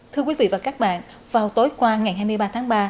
thưa quý vị và các bạn vào tối qua ngày hai mươi ba tháng ba